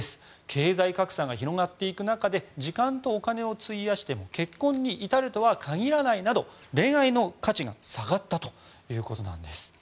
経済格差が広がっていく中で時間とお金を費やして結婚に至るとは限らないなど恋愛の価値が下がったということなんです。